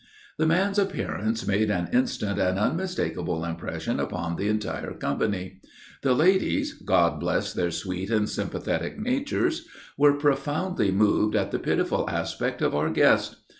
The man's appearance made an instant and unmistakable impression upon the entire company. The ladies God bless their sweet and sympathetic natures! were profoundly moved at the pitiful aspect of our guest.